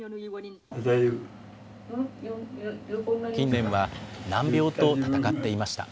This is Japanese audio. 近年は、難病と闘っていました。